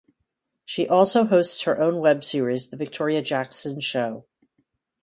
She also hosts her own web series, "The Victoria Jackson Show".